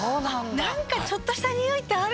何かちょっとしたニオイってある。